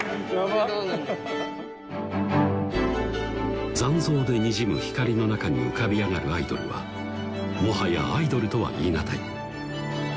バっ残像でにじむ光の中に浮かび上がるアイドルはもはやアイドルとは言い難いＯＳＲＩＮ